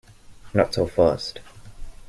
Not so fast.